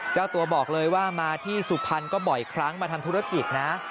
เจ้าตัวบอกเลยว่ามาที่สุพรรณก็บ่อยครั้งมาทำธุรกิจนะ